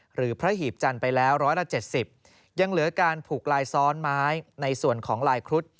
หรือพระหีบจันทร์ไปแล้ว๑๗๐ยังเหลือการผูกลายซ้อนไม้ในส่วนของลายครุฑ